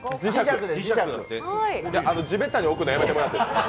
地べたに置くのやめてもらえます。